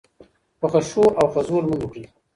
په خشوع او خضوع لمونځ وکړئ